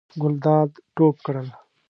ګلداد ټوپ کړل.